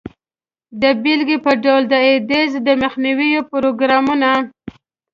د بیلګې په ډول د ایډز د مخنیوي پروګرامونه.